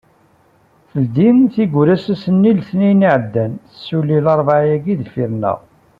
Telditiwwura-as ass-nni n letnayen iɛeddan, tessuli larebɛa-agi deffir-neɣ.